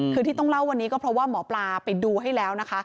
คือที่ต้องเล่าวันนี้ก็เพราะว่าหมอปลาไปดูให้แล้วนะคะ